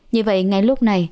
như vậy ngay lúc này